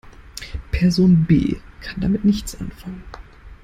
Person B kann damit nichts anfangen.